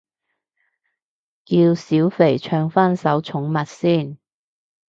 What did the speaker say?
叫小肥唱返首寵物先